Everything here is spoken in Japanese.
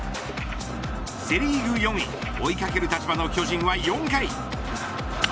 セ・リーグ４位追いかける立場の巨人は４回。